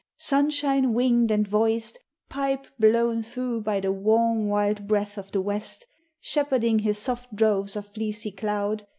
sunshine winged and voiced, Pipe blown through by the warm wild breath of the West Shepherding his soft droves of fleecy cloud, 10 UNDER THE WILLOWS.